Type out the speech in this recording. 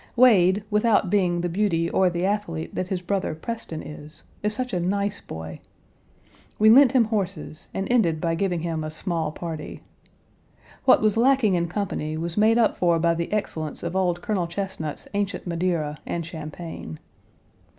Wade, without being the beauty or the athlete that his brother Preston is, is such a nice boy. We lent him horses, and ended by giving him a small party. What was lacking in company was made up for by the excellence of old Colonel Chesnut's ancient Madeira and champagne.